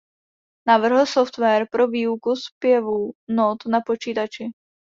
Navrhl software pro v"ýuku zpěvu not na počítači".